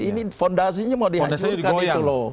ini fondasinya mau dihancurkan